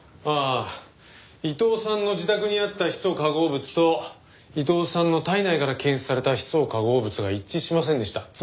ああ伊藤さんの自宅にあったヒ素化合物と伊藤さんの体内から検出されたヒ素化合物は一致しませんでした。